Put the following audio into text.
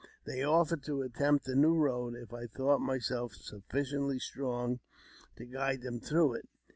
They offered to attempt the new road if I thought myself sufficiently strong to guide them through it.